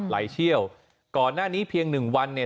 เชี่ยวก่อนหน้านี้เพียงหนึ่งวันเนี่ย